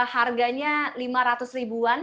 harganya lima ratus ribuan